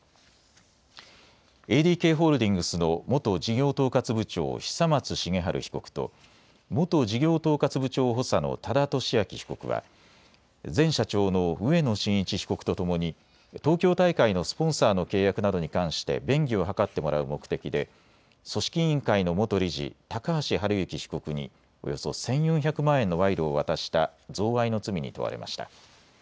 ＡＤＫホールディングスの元事業統括部長、久松茂治被告と元事業統括部長補佐の多田俊明被告は前社長の植野伸一被告とともに東京大会のスポンサーの契約などに関して便宜を図ってもらう目的で組織委員会の元理事、高橋治之被告におよそ１４００万円の賄賂を渡した贈賄の罪に問われました。